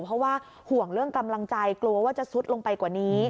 เพราะว่าห่วงเรื่องกำลังใจกลัวว่าจะซุดลงไปกว่านี้